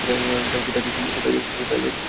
কোথায় যাচ্ছিস তুই?